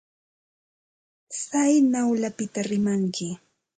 Tsaynawllapita rimaykanki.